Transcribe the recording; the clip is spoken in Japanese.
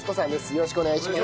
よろしくお願いします。